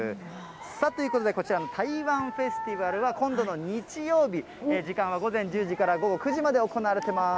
さぁ、ということでこちら台湾フェスティバルは今度の日曜日、時間は午前１０時から午後９時まで行われてます。